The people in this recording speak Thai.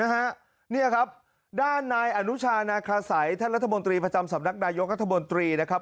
นี่ครับด้านนายอนุชานาคาสัยท่านรัฐมนตรีประจำสำนักนายกรัฐมนตรีนะครับ